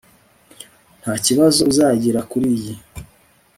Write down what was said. ntakibazo uzagira kuriyi